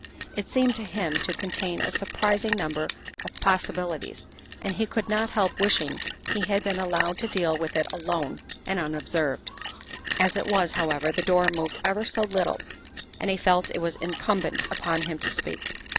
It seemed to him to contain a surprising number of possi bilities, and he could not help wishing he had been allowed to deal with it alone and unobserved. As it was, however, the door moved ever so little and he felt it was incumbent upon him to speak.